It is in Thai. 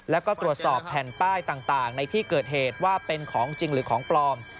แล้วก็ตรวจสอบแผ่นป้ายต่างในที่เกิดเหตุว่าเป็นของจริงหรือของปลอม